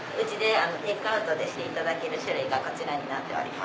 テイクアウトしていただける種類がこちらになっております。